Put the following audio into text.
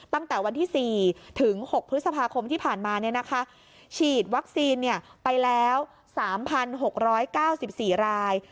ตั้งแต่วันที่๔ถึง๖พฤษภาคมที่ผ่านมาฉีดวัคซีนไปแล้ว๓๖๙๔ราย